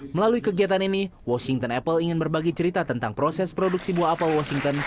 melalui kegiatan ini washington apple ingin berbagi cerita tentang proses produksi buah apple washington